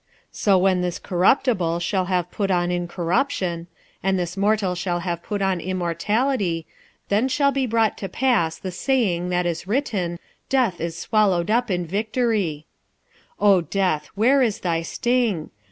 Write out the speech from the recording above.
46:015:054 So when this corruptible shall have put on incorruption, and this mortal shall have put on immortality, then shall be brought to pass the saying that is written, Death is swallowed up in victory. 46:015:055 O death, where is thy sting?